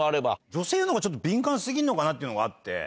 女性のほうが敏感過ぎんのかなっていうのがあって。